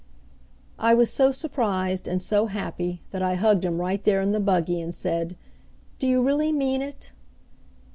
I was so surprised and so happy that I hugged him right there in the buggy, and said: "Do you really mean it?"